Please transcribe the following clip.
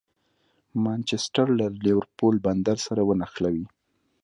مانچسټر له لېورپول بندر سره ونښلوي.